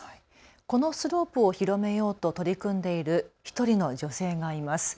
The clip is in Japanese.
このスロープを広めようと取り組んでいる１人の女性がいます。